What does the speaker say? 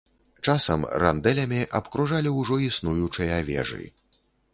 Часам рандэлямі абкружалі ўжо існуючыя вежы.